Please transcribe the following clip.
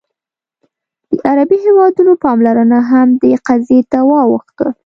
د عربي هېوادونو پاملرنه هم دې قضیې ته واوښته.